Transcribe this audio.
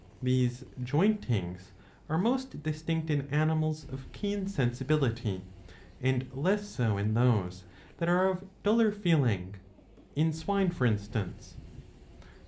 These jointings are most distinct in animals of keen sensibility, and less so in those that are of duller feeling, in swine for instance.